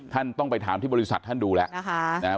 ท่านต้องไปถามที่บริษัทท่านดูแล้วนะคะ